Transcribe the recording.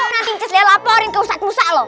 nanti saya laporin ke ustadz musa loh